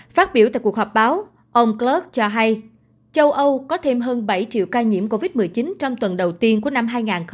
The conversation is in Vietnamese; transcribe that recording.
phát biểu tại cuộc họp báo ông klub cho hay châu âu có thêm hơn bảy triệu ca nhiễm covid một mươi chín trong tuần đầu tiên của năm hai nghìn hai mươi